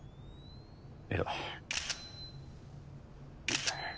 いや。